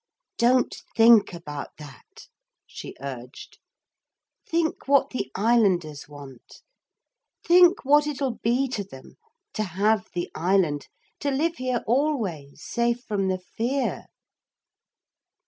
'Don't think about that,' she urged. 'Think what the islanders want. Think what it'll be to them to have the island, to live here always, safe from the fear!'